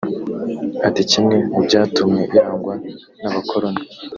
Ati “Kimwe mu byatumye yangwa n’abakoroni